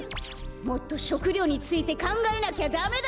もっと食料についてかんがえなきゃダメだ！